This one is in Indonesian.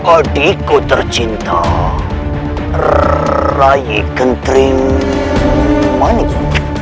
adikku tercinta rayi kentring manik